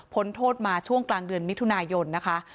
โทษมาช่วงกลางเดือนมิถุนายนนะคะ